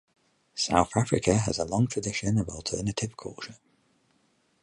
South Africa has a long tradition of alternative culture.